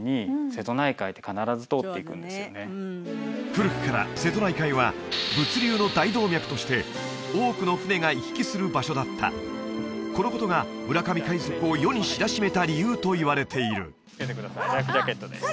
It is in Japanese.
古くから瀬戸内海は物流の大動脈として多くの船が行き来する場所だったこのことが村上海賊を世に知らしめた理由といわれているつけてくださいライフジャケットです